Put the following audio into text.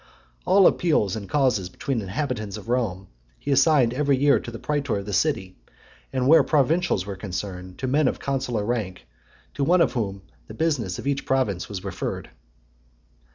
All appeals in causes between inhabitants of Rome, he assigned every year to the praetor of the city; and where provincials were concerned, to men of consular rank, to one of whom the business of each province was referred.